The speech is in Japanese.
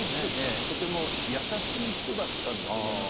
とても優しい人だったんだと思いますよね。